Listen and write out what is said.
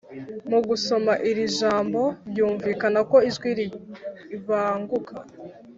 mu gusoma iri jambo byumvikana ko ijwi ribanguka